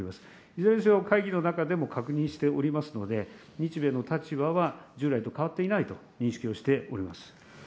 いずれにせよ、会議の中でも確認しておりますので、日米の立場は従来と変わっていないと認識しております。